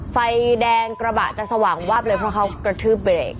ไฟแดงกระบะจะสว่างวับเลยเพราะเขากระทืบเบรก